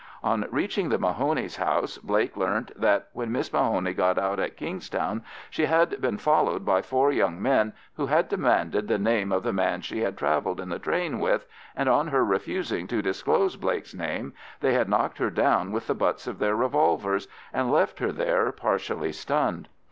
On reaching the Mahoneys' house Blake learnt that, when Miss Mahoney got out at Kingstown, she had been followed by four young men, who had demanded the name of the man she had travelled in the tram with, and on her refusing to disclose Blake's name, they had knocked her down with the butts of their revolvers, and left her there partially stunned.